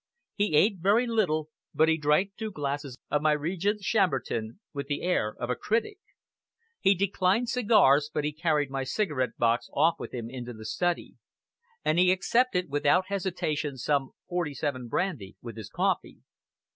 He ate very little, but he drank two glasses of my "Regents" Chambertin, with the air of a critic. He declined cigars, but he carried my cigarette box off with him into the study; and he accepted without hesitation some '47 brandy with his coffee.